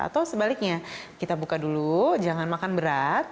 atau sebaliknya kita buka dulu jangan makan berat